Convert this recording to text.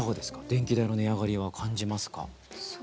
電気代の値上がりは感じますか？